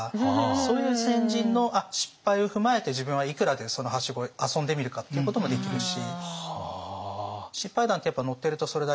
そういう先人の失敗を踏まえて自分はいくらでそのはしご遊んでみるかっていうこともできるし。